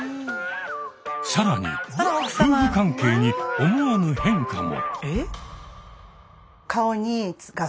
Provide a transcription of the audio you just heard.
更に夫婦関係に思わぬ変化も！